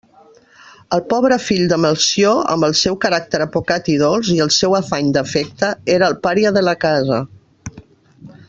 El pobre fill de Melcior, amb el seu caràcter apocat i dolç i el seu afany d'afecte, era el pària de la casa.